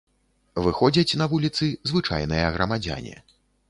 Выходзяць на вуліцы звычайныя грамадзяне.